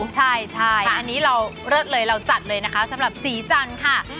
ใช่อันนี้เราเลิศเลยเราจัดเลยนะคะสำหรับสีจันทร์ค่ะ